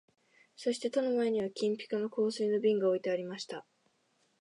そして戸の前には金ピカの香水の瓶が置いてありました